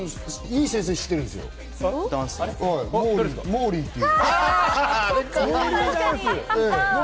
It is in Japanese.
いい先生知ってるの、モーリーっていう。